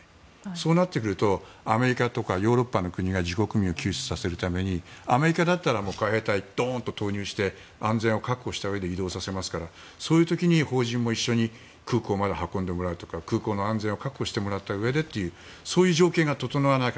そうなってくるとアメリカとヨーロッパの国が自国民を救出させるためにアメリカだったら海兵隊をどーんと投入して安全を確保したうえで移動させますからそういう時に邦人も一緒に空港まで運んでもらうとか空港の安全を確保してもらったうえでというそういう条件が整わない